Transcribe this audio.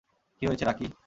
কী হয়েছে, রাকি?